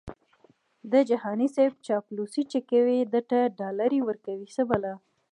د جهاني صیب چاپلوسي چې کوي درته ډالري ورکوي څه بلا🤑🤣